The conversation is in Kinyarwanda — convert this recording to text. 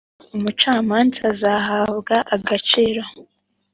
Umucamanza zahabwa agaciro